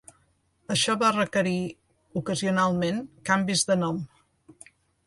Això va requerir, ocasionalment, canvis de nom.